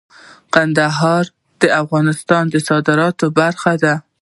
کندهار د افغانستان د صادراتو برخه ده.